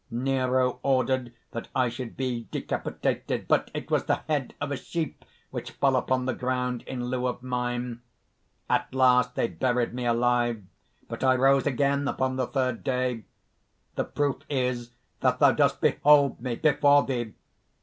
Nero ordered that I should be decapitated; but it was the head of a sheep which fell upon the ground in lieu of mine. At last they buried me alive; but I rose again upon the third day. The proof is that thou dost behold me before thee!"